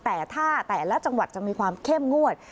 แต่ถ้าแต่ละจังหวัดจะมีความเข้มงวด